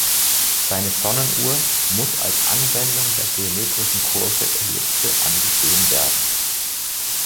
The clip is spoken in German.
Seine Sonnenuhr muss als Anwendung der geometrischen Kurve Ellipse angesehen werden.